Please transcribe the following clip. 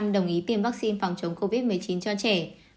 sáu mươi sáu đồng ý tiêm vaccine phòng chống covid một mươi chín cho trẻ